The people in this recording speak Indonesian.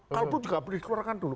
kalaupun juga boleh dikeluarkan dulu